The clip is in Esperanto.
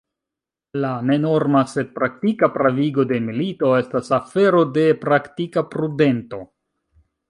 La ne norma, sed praktika pravigo de milito estas afero de praktika prudento.